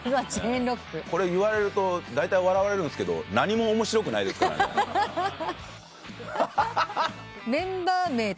これ言われるとだいたい笑われるんですけど何も面白くないですからね。